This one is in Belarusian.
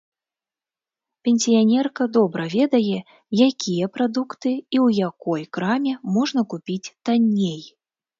Пенсіянерка добра ведае, якія прадукты і ў якой краме можна купіць танней.